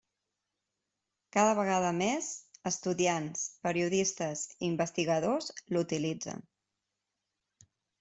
Cada vegada més, estudiants, periodistes i investigadors l'utilitzen.